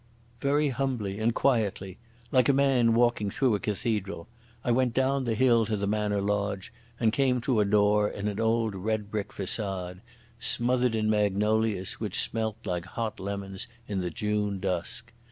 Very humbly and quietly, like a man walking through a cathedral, I went down the hill to the Manor lodge, and came to a door in an old red brick façade, smothered in magnolias which smelt like hot lemons in the June dusk.